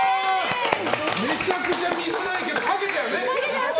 めちゃくちゃ見づらいけど描けてるね。